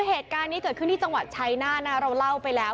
เหตุการณ์นี้เกิดขึ้นที่จังหวัดชัยนาธนะเราเล่าไปแล้ว